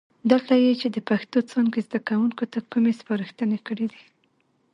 دلته یې چې د پښتو څانګې زده کوونکو ته کومې سپارښتنې کړي دي،